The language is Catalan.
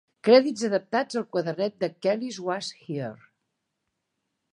Crèdits adaptats del quadernet de "Kelis Was Here".